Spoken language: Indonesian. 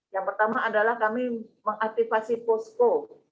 yang pertama adalah kami mengaktifasi posko